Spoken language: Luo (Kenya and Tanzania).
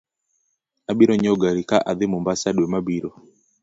Abiro nyieo gari ka adhi mombasa dwe ma biro